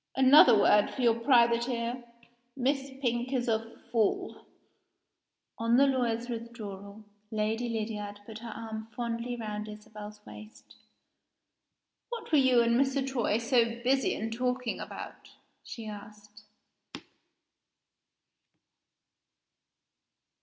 Another word for your private ear. Miss Pink is a fool." On the lawyer's withdrawal, Lady Lydiard put her arm fondly round Isabel's waist. "What were you and Mr. Troy so busy in talking about?" she asked.